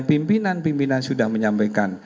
pimpinan pimpinan sudah menyampaikan